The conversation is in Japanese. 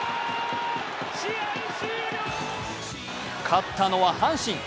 勝ったのは阪神！